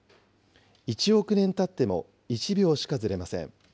１億年たっても１秒しかずれません。